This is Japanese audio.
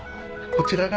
こちらが。